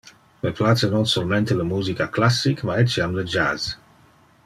Me place non solmente le musica classic, ma etiam le jazz.